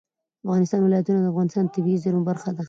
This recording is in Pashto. د افغانستان ولايتونه د افغانستان د طبیعي زیرمو برخه ده.